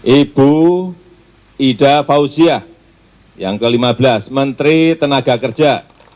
ibu ida fauziah yang kelima belas menteri tenaga kerja